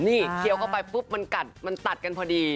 นี่เคี้ยวเข้าไปปุ๊บมันกัดมันตัดกันพอดี